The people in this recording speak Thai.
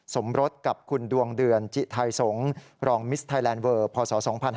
สมรสกับคุณดวงเดือนจิไทยสงศ์รองมิสไทยแลนด์เวอร์พศ๒๕๕๙